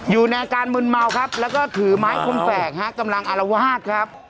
อยู่ในอาการมึนเมาครับแล้วก็ถือไม้คมแฝกฮะกำลังอารวาสครับ